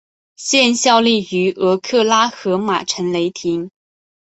现效力于俄克拉何马城雷霆。